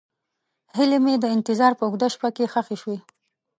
هیلې مې د انتظار په اوږده شپه کې ښخې شوې.